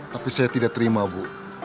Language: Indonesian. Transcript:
tapi saya tidak terima bu